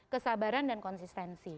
kesabaran dan konsistensi